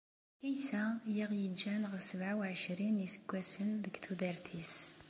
Kaysa i aɣ-yeǧǧan ɣef sebεa u εecrin n yiseggasen deg tudert-is.